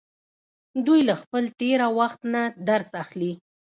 دوی له خپل تیره وخت نه درس اخلي.